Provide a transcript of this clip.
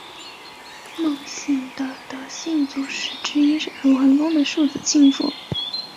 孟姓的得姓始祖之一是鲁桓公的庶子庆父。